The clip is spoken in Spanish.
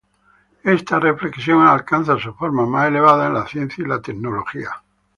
Esta reflexión alcanza su forma más elevada en la ciencia y la tecnología.